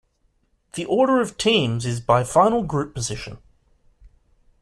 The order of teams is by final group position.